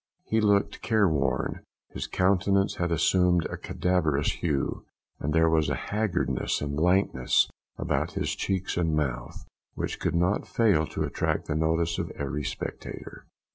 He looked careworn; his countenance had assumed a cadaverous hue, and there was a haggardness and lankness about his cheeks and mouth, which could not fail to attract the notice of every spectator.